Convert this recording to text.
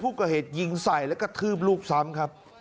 ก่อเหตุยิงใส่และกระทืบลูกซ้ำครับ